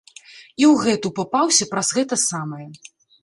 І ў гэту папаўся праз гэта самае.